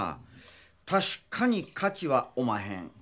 たしかに価値はおまへん。